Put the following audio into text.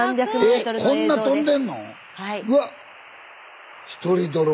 えっこんな飛んでんの？